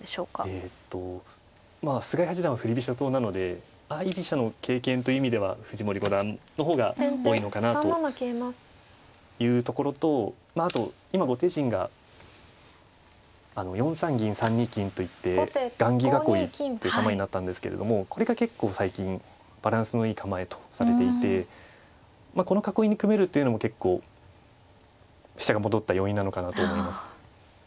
えとまあ菅井八段は振り飛車党なので相居飛車の経験という意味では藤森五段の方が多いのかなというところとあと今後手陣が４三銀３二金と行って雁木囲いっていう構えになったんですけれどもこれが結構最近バランスのいい構えとされていてこの囲いに組めるっていうのも結構飛車が戻った要因なのかなと思います。